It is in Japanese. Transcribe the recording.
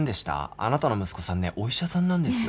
あなたの息子さんねお医者さんなんですよ。